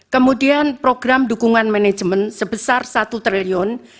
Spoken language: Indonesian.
kemudian program dukungan manajemen sebesar satu triliun